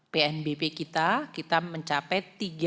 pnbp kita kita mencapai tiga ratus tiga puluh tujuh